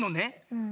うん。